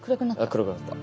暗くなった。